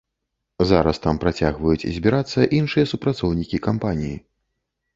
Зараз там працягваюць збірацца іншыя супрацоўнікі кампаніі.